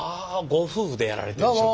ご夫婦でやられてらっしゃる。